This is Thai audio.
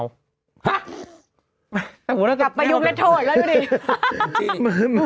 ฮะแต่มันกลับไปยุ่งเล็กโทย์แล้วอยู่ดิฮ่า